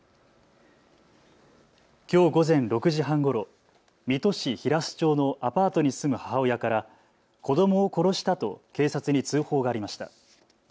きょう午前６時半ごろ、水戸市平須町のアパートに住む母親から子どもを殺したと警察に通報がありました。